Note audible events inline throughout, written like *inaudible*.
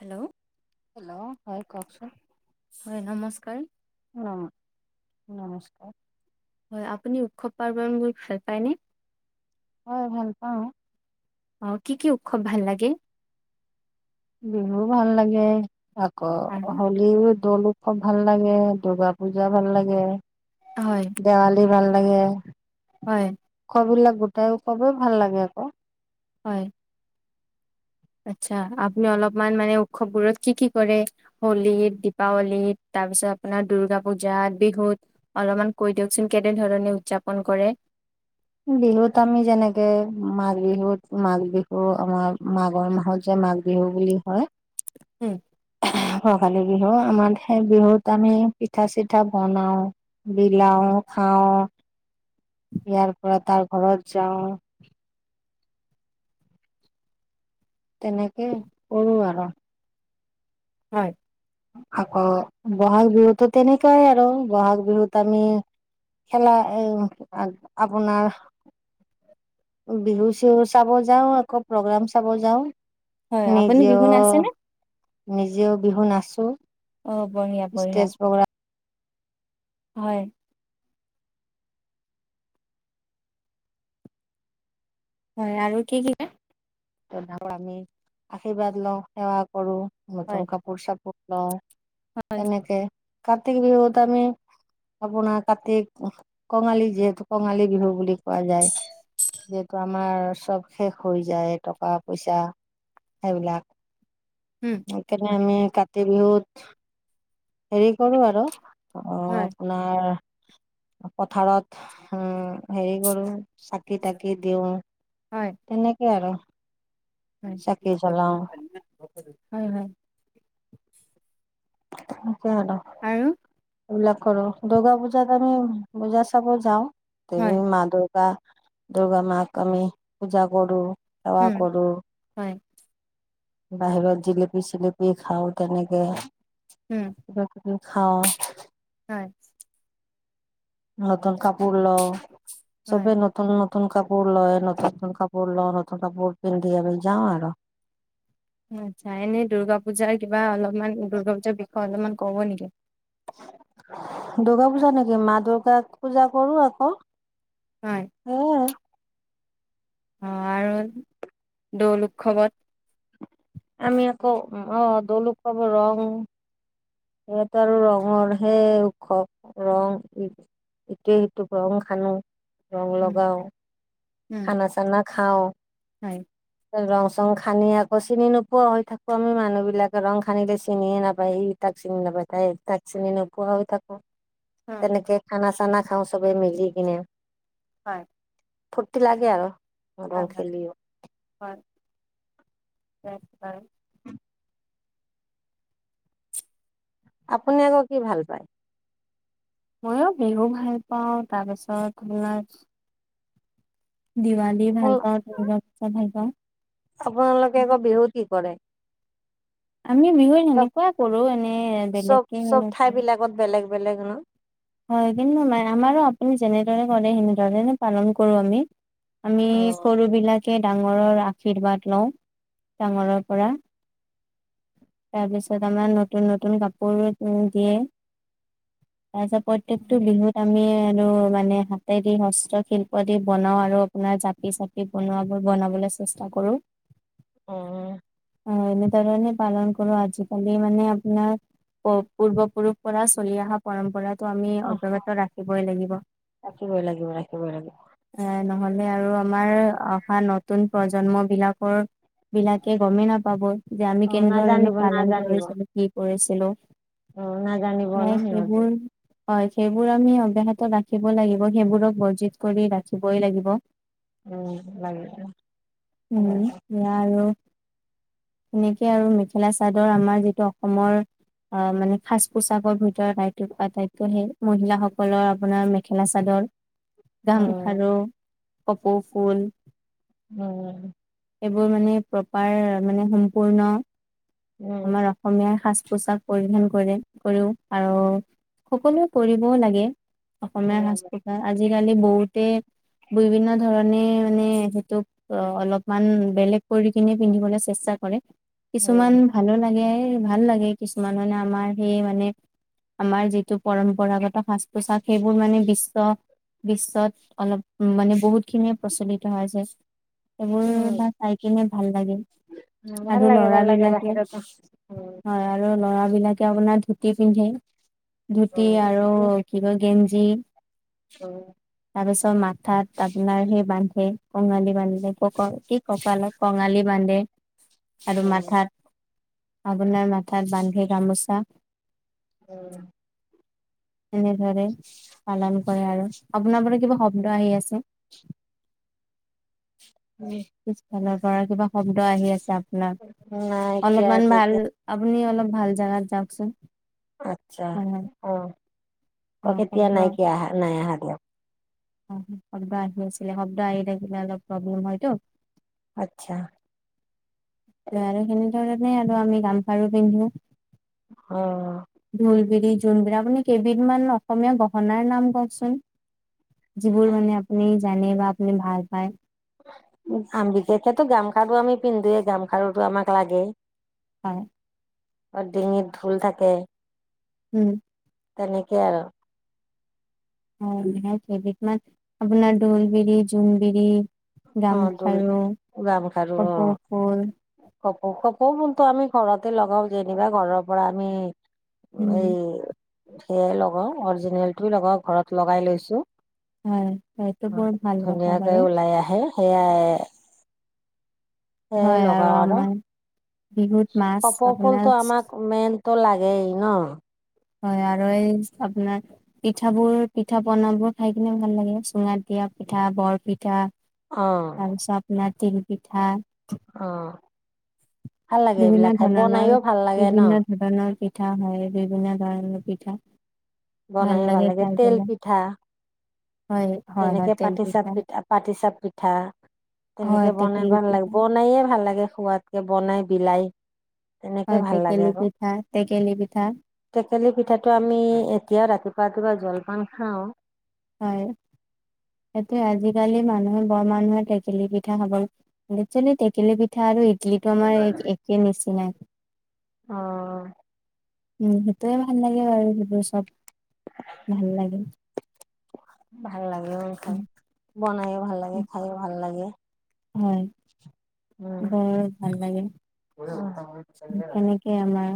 Hello hello হয়, কওকচোন? হয়, নমস্কাৰ। অঁ নমস্কাৰ। হয়, আপুনি উৎসৱ পাৰ্বণ বোৰ ভাল পায় নে? হয়, ভাল পাওঁ। অঁ কি কি উৎসৱ ভাল লাগে? বিহু ভাল লাগে, আৰু আকৌ হলি। বিহু দৌল উৎসৱ ভাল লাগে, দূৰ্গা পূজা ভাল লাগে। হয়। দেৱালী ভাল লাগে। হয়। খোৱা বিলাক গোটাইও খাবই ভাল লাগে আকৌ। হয়। আচ্ছা, আপুনি অলপমান মানে উৎসৱ বোৰত কি কি কৰে? হলীত, দীপাৱলীত তাৰপিছত আপোনাৰ দূৰ্গা পূজাত, বিহুত? অলপমান কৈ দিয়কচোন কেনে ধৰণে উদযাপন কৰে? বিহুত আমি যেনেকে মাঘ বিহুত মাঘ বিহুৰ আমাৰ মাঘৰ মাহত যে মাঘ বিহু- বিহু বুলি হয়। উম। ভোগালী বিহু, আমাৰ সেই বিহুত পিঠা চিঠা বনাওঁ। বিলাও, খাওঁ, ইয়াৰ পৰা তাৰ ঘৰত যাওঁ। তেনেকে কৰোঁ আৰু। হয়। আকৌ ব'হাগ বিহুতো তেনেকুৱাই আৰু। ব'হাগ বিহুত আমি- খেলাই এ আপোনাৰ- বিহু -চিহু চাব যাওঁ আকৌ প্ৰ'গ্ৰাম চাব যাওঁ। হয় আপুনি বিহু নিজেও- নাচেনে? নিজেও বিহু নাচো। অঁ, বঢ়িয়া বঢ়িয়া। *inaudible* হয়। হয়, আৰু কি কি? ডাঙৰক আমি আশীৰ্বাদ লওঁ, সেৱা কৰো, হয় নতুন কাপোৰ -চাপোৰ লওঁ। তেনেকে। কাতি বিহুত আমি- আপোনাৰ কাতি কঙালী যিহেতু কঙালী বিহু বুলি কোৱা যায়। যিহেতু আমাৰ চব শেষ হৈ যায়। টকা- পইচা সেইবিলাক। উম সেইকাৰণে হয় আমি কাত- কাতি বিহুত- হেৰি কৰো আৰু অঁ হয় আপোনাৰ- পথাৰত উম, হেৰি কৰো চাকি -তাকি দিওঁ। হয়। তেনেকে আৰু। চাকি জ্বলাও হয়, হয়। হেনেকে আৰু। আৰু? এইবিলাক কৰো। দুৰ্গা পূজাত আমি পূজা চাব যাওঁ। হয় দেৱী মা দুৰ্গাৰ মাক আমি পূজা কৰো, সেৱা উম কৰো। হয়। বাহিৰত জিলেপি -চিলেপি খাওঁ তেনেকে। উম। কিবা কিবি খাওঁ। হয়। নতুন কাপোৰ লও‌ঁ, হয়। চবে ন- নতুন নতুন কাপোৰ লয়, নতুন নতুন কাপোৰ লওঁ, নতুন কাপোৰ পিন্ধি আমি যাওঁ আৰু। আচ্ছা, এনেই দুৰ্গা পূজাৰ কিবা অলপমান, দুৰ্গা পূজাৰ বিষয়ে অলপমান ক'ব নেকি? দুৰ্গা পূজা নেকি মা-দুৰ্গা পূজা কৰো আকৌ। হয়। এ। অ আৰু দৌল উৎসৱত আমি আকৌ অ', দৌল উৎসৱৰ ৰং ইয়াত আৰু ৰঙৰহে উৎসৱ ৰং ইটোৱে সিটোক ৰং সানো। ৰং উম, লগাও, উম, খানা চানা খাওঁ। হয়। ৰং চং সানি আকৌ চিনি নোপোৱা হৈ থাকো, আমি মানুহ বিলাকে ৰং সানিলে চিনিয়ে নাপায় ই তাক চিনি নাপাই, তাই তাক চিনি নোপোৱা হৈ থাকো হয়, তেনেকে খানা চানা খাওঁ চবে মিলি কিনে। হয়। ফূৰ্তি লাগে আৰু। হয়, ৰং হয়, হয়, খেলিও হয় নিশ্চয়। *unintelligible* আপুনি আকৌ কি ভাল পায়? মইয়ো বিহু ভাল পাওঁ, তাৰপিছত তোমাৰ দিৱালী ভাল পাওঁ, দূৰ্গা পুজা ভাল পাওঁ। আপোনালোকে আকৌ বিহুত কি কৰে? আমি বিহুত চব সেনেকুৱাই কৰো, এনে বেলেগকে নকৰো। আগত বেলেগ বেলেগ ন? হয় কিন্তু নাই, আমাৰো আপুনি যেনেদৰে কৰে সেনেধৰনে পালন কৰো আমি। আমি অ', সৰু বিলাকে ডাঙৰৰ আশীৰ্বাদ লওঁ, ডাঙৰৰ পৰা। তাৰপিছত আমাৰ নতুন নতুন কাপোৰ দিয়ে, তাৰপিছত পৰ প্ৰত্যেকটো বিহু আমি আৰু মানে হাতে দি হস্ত শিল্প দি বনাও আৰু আপোনাৰ জাপি চাপ পি বনোৱাবোৰ বনাবলৈ চেষ্টা কৰো। অঁ। অঁ এনেধৰনে পালন কৰো, আজিকালি মানে আপোনাৰ অ পূৰ্বপুৰুষ পৰা চলি অহা পৰম্পৰা টো আমি অ'। অব্যাহত ৰাখিবই লাগিব। ৰাখিবই লাগিব ৰাখিবই লাগিব এ নহলে আৰু আমাৰ, অহা নতুন প্ৰজন্ম বিলাকৰ বিলাকে গমেই নাপাব, যে আমি অ', কেনেধৰণেনো নাজানিব পালন নাজানিব কৰিছিলো, কি কৰিছিলো। অ', নাজানিব ন এয়াই সিহঁতি। সেইবোৰ হয়, সেইবোৰ আমি অব্যাহত ৰাখিব লাগিব, সেইবোৰক বৰ্জিত কৰি ৰাখিবই লাগিব। উম লাগিব, তাকেইতো। সেইয়া আৰু, সেনেকে আৰু মেখেলা চাদৰ আমাৰ যিটো অসমৰ অ', মানে সাজ-পোছাকৰ ভিতৰত আটাইতকৈ সেই মহিলা সকলৰ আপোনাৰ মে মেখেলা চাদৰ, উম, গামখাৰু, কপৌ ফুল উম। সেইবোৰ মানে প্ৰপাৰ, মানে সম্পূৰ্ণ, উম। আমাৰ অসমীয়াৰ সাজ পোছাক পৰিধান কৰে, কৰো আৰু সকলোৱে কৰিবও লাগে। ভাল অসমীয়াৰ সাজ লাগে পোছাক, আজিকালি বহুতে বিভিন্ন ধৰণে মানে সেইটোক অ', অলপমান বেলেগ কৰি কিনে পিন্ধিবলৈ চেষ্টা কৰে। কিছুমান উম, ভালোঁ লাগে, ভাল লাগে কিছুমান মানে আমাৰ সেই মানে আমাৰ যিটো পৰম্পৰাগত সাজ-পোচাক সেইবোৰ মানে বিশ্ব বিশ্বত অ' অলপ মানে বহুতখিনিয়ে প্ৰচলিত হয় আছে। সেইবোৰ বা উম, চাই কিনে ভাল লাগে ভাল আৰু লাগে ল'ৰা ভাল লাগে বিলাকে বাহিৰতে থাক উম। হয় আৰু ল'ৰা বিলাকে আপোনাৰ ধূতি পিন্ধে ধূতি আৰু কি কয় গেঞ্জি অ' তাৰপিছত মাথাত আপোনাৰ সেই বান্ধে কঙালী বান্ধে ক'ক কি কঁকালত কঙালী বান্ধে আৰু মা উম, আপোনাৰ মাথাত বান্ধে গামোচা। উম। এনেদৰে পালন কৰে আৰু আপোনাৰ পৰা কিবা শব্দ আহি আছে। উম পিছফালৰ পৰা কিবা শব্দ আহি আছে, আপোনাৰ নাইকিয়া অলপমান ভাল তেতিয়া আপুনি অলপ ভাল জাগাত যাওঁকচোন। আচ্ছা, অ' অ কওঁক এতিয়া শব্দ নাই কি অহা নাই অহা দিয়ক। অ' শব্দ আহি আছিলে, শব্দ আহি থাকিলে অলপ প্ৰব্লেম হয়তো। আচ্ছা ডাইৰেক্ট সেনেকে আৰু আমি গামখাৰু পিন্ধো। অহ' ঢোলবিৰি, জোনবিৰি আপুনি কেইবিধমান অসমীয়া গহনাৰ নাম কওঁকচোন? যিবোৰ মানে আপুনি জানে বা আপুনি ভাল পায়। আমি বিশষেতো গামখাৰু আমি পিন্ধোয়ে, গামখাৰুটো আমাক লাগেয়ে। হয়। ডিঙিত ঢোল থাকে উম। তেনেকেই আৰু অ' যেনে কেইবিধমান আপোনাৰ ঢোলবিৰি, জোনবিৰি, অ ঢোল গামখাৰু, গামখাৰু অ কপৌফুল কপৌ কপৌফুলটো কিন্তু আমি ঘৰতে লগাও যেনিবা ঘৰৰ পৰা আমি উম এই সেইয়াই লগাও অৰিজিনেলটো লগাই ঘৰত লগাই লৈছোঁ। হয় সেইটো হয়, বৰ ভাল কথা ধুনীয়াকে বাৰু ওলাই আহে সেয়াই সেইয়াই হয় লগাও আৰু আমাৰ বিহুত মাছ আপোনাৰ কপৌফুলটো আমাক মেইনটো লাগেই ন হয় আৰু এই আপোনাৰ পিঠা বোৰ পিঠা পনাবোৰ খাই কিনে ভাল লাগে, চুঙাত দিয়া পিঠা, বৰ পিঠা অ তাৰপিছত আপোনাৰ তিল পিঠা অ' ভাল লাগে, বিভিন্ন এইবিলাক খাই ধৰণৰ বনাইয়ো ভাল লাগে ন *unintelligible* পিঠা হয়, বিভিন্ন ধৰণৰ পিঠা ভাল বনাইও লাগে খাই তেল পেলাই পিঠা হয়। হয় হয় যেনেকে তেল পাতিচাপ পিঠা, পাতিচাপ পিঠা হয় তেনেকে বনাই টেকেলি ভাল লাগে, পিঠা বনায়ে ভাল লাগে, খোৱাদকে বনাই বিলাই। তেনেকে হয়, ভাল লাগে টেকেলি আকৌ পিঠা টেকেলি পিঠা টেকেলি পিঠাটো আমি এতিয়াও ৰাতিপুৱা ৰাতিপুৱা জলপান খাওঁ। হয়, সেইটো আজিকালি মানুহে বৰ মানুহে টেকেলি পিঠা খাব যেনে টেকেলি পিঠা আৰু ইডলিটো মানে একেই নিচিনা। অহ। উম সেইটোয়ে ভাল লাগে বাৰু সেইবোৰ চব ভাল লাগে। ভাল লাগে অ' খাই, উম, বনাইও ভাল লাগে উম, খাইয়ো ভাল লাগে। হয় বৰ ভাল লাগে *unintelligible* এয়া আমাৰ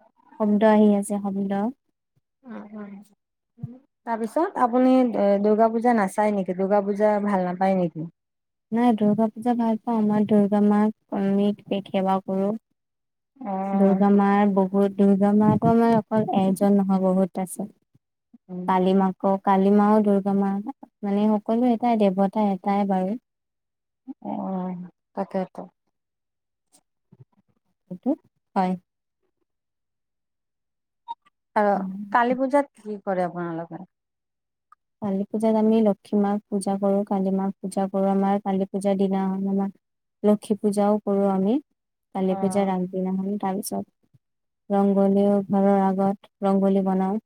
অ'। শব্দ আহি আছে, শব্দ উম, উম। তাৰ পিছত, আপুনি দ দুৰ্গা পূজা নাচায় নেকি, দূৰ্গা পূজা ভাল নাপায় নেকি? নাই দূৰ্গা পূজা ভাল পাওঁ। মই দূৰ্গা মাক *unintelligible* সেৱা কৰোঁ। অ দুৰ্গা মাৰ বহুত দুৰ্গা মা আকৌ আমাৰ আকৌ এজন নহয় বহুত তছে কালি মা অ, কালি মা আৰু দূৰ্গা মা, মানে সকলো এটাই দেৱতা এটাই বাৰু। অঁ, তাকেতো। তে হয় ৰ আৰু কালী পূজাত কি কৰে আপোনালোকে? কালী পূজাত আমি লক্ষী মাক পূজা কৰো, কালি মাক পূজা কৰো। আমাৰ কালী পূজাৰ দিনা হ'ল আমাৰ লক্ষী পূজাও কৰো আমি। কালী অ পূজা ৰান সিনাখনি তাৰপিছত ৰংগোলীও ঘৰৰ আগত ৰংগোলী বনাওঁ।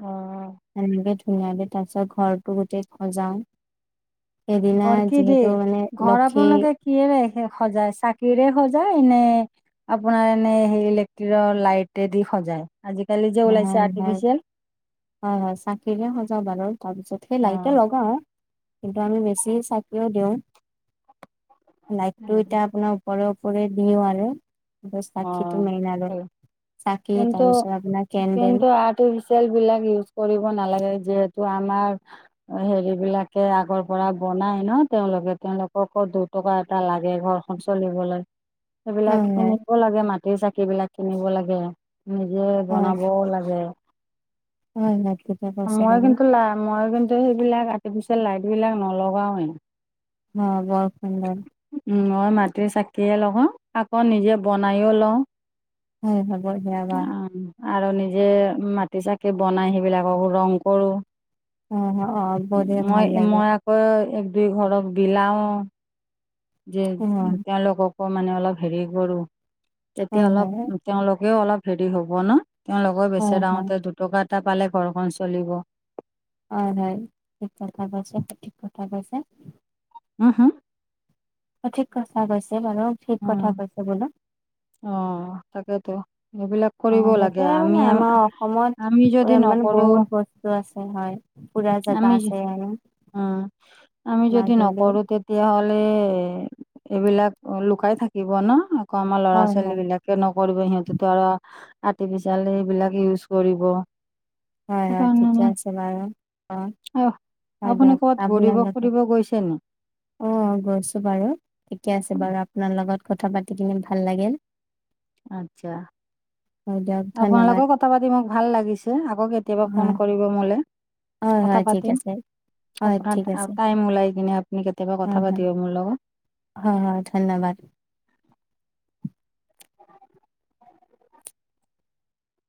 অ', এনেকে ধুনীয়াকে তাৰপিছত ঘৰটো গোটেই সজাওঁ সেইদিনা ঘৰ কি দি যিহেতু মানে ঘৰ লক্ষী আপোনালোকে কিহেৰে সজায়, চাকিৰে সজায় নে আপোনাৰ এনেই সেই ইলেক্ট্ৰিকৰ লাইটেদি সজায়। আজিকালি ওলাইছে নহয় নহয় আৰ্ফিচিয়েল হয় হয় চাকিৰে সজাওঁ বাৰু তাৰ পিছত সেই লাইটে অ', লগাওঁ কিন্তু আমি বেছি চাকিও দিওঁ লাইটটো এতিয়া আপোনাৰ উপৰে উপৰে দিওঁ আৰু। চাকিটো অ', মেইন আৰু, এই চাকি কিন্তু তাৰপিছত আপোনাৰ কেণ্ডেল কিন্তু আৰ্টিফিচিয়েল বিলাক ইউজ কৰিব নালাগে, যিহেতু আমাৰ হেৰি বিলাকে আগৰ পৰা বনাই ন তেওঁলোকে তেওঁলোককো দু টকা এটা লাগে ঘৰখন চলিবলৈ সেইবিলাক হয় হয় কিনিব লাগে মাটিৰ চাকি বিলাক কিনিব লাগে নিজে বনাব লাগে। হয় নেকি মই কিন্তু লা, মই কিন্তু সেইবিলাক আৰ্টিফিচিয়েল লাইট বিলাক নলগাওৱে। অ বৰফেণ্ডৰ উম, মই মাটিৰ চাকিয়ে লগাও, আকৌ নিজে বনাইও লওঁ। হয় হয় বঢ়িয়া বা অ' আৰু নিজে মাটিৰ চাকি বনাই সেইবিলাককো ৰং কৰোঁ। অ' অ' বধে ভাল লাগে। এই এক দুই ঘৰক বিলাও। যে অ হয় তেওঁলোককো মানে অলপ হেৰি কৰোঁ। তেতিয়া হয় অলপ তেওঁলোকেও অলপ হেৰি হ'ব ন তেওঁলোকে হয় বেচেৰা হয় হতে দুটকা এটা পালে ঘৰখন চলিব অ হয় শুদ্ধ কথা কৈছে সঠিক কথা কৈছে হু হুউ ঠিক কথা কৈছে বাৰু, ঠিক উম, কথা কৈছে বোলো। অ' তাকেতো এইবিলাক অ কৰিব লাগে সেইটোয়ে মানে আমি আৰ আমাৰ আমি যদি নকৰো। এইটো আছে হয়। পুৰা জেগা আমি, আছে আৰু অঁ আমি যদি মাজুলী নকৰো তে তেতিয়াহ'লে এইবিলাক লুকাই থাকিব ন, আকৌ আমাৰ ল'ৰা হয় হয় ছোৱালীবিলাক নকৰিব সিহঁতেতো আৰু আৰ্টিফিচিয়েল এইবিলাক ইউজ কৰিব। হয় হয় সেইকাৰণে ঠিকে মই আছে বাৰু। অঁ আহ হয় আপুনি দিয়ক ক'বাত ঘূৰিব আপোনালোকে ফুৰিব গৈছে নি অঁ গৈছো বাৰু, ঠিকে আছে উম, বাৰু আপোনাৰ লগত কথা পাতি কিনে ভাল লাগিল। আচ্ছা, হয় দিয়ক আপোনালোকে ধন্যবাদ কথা পাতি মোক ভাল লাগিছে, আকৌ কে তিয়াবা ফোন হয় কৰিব মোলে, হয় কথা হয় ঠিক পাতিম। আছে হয় আপোনাৰ ঠিক আছে টাইম ওলাই কিনে আপুনি কেতিয়াবা হয় কথা হয় পাতিব মোৰ লগত। হয় হয় ধন্যবাদ।